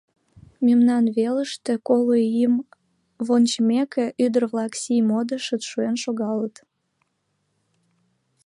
Мемнан велыште, коло ийым вончымеке, ӱдыр-влак сий модышыш шуэн шогалыт.